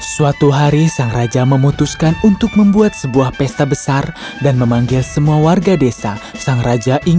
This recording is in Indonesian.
dia hewan yang indah dalam sempreira ini